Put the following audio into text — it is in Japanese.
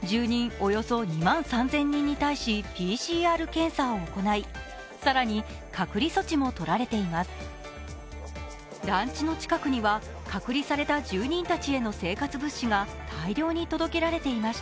およそ２万３０００人に対しＰＣＲ検査を行い、更に隔離措置も取られています。